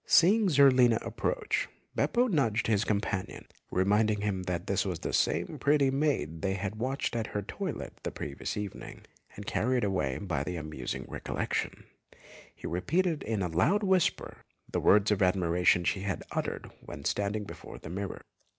Seeing Zerlina approach, Beppo nudged his companion, reminding him that this was the same pretty maid they had watched at her toilet the previous evening, and carried away by the amusing recollection, he repeated in a loud whisper the words of admiration she had uttered when standing before the mirror.